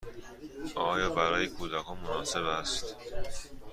آیا برای کودکان مناسب است؟